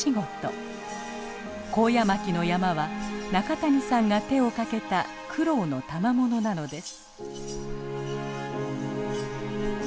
コウヤマキの山は中谷さんが手をかけた苦労のたまものなのです。